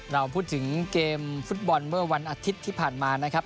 เราพูดถึงเกมฟุตบอลเมื่อวันอาทิตย์ที่ผ่านมานะครับ